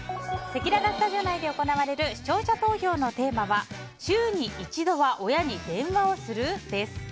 せきららスタジオ内で行われる視聴者投票のテーマは週に１度は親に電話をする？です。